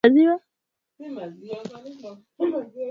maeneo ya mbali Kwa mfano vyanzo vya uchafuzi ambavyo hugeuka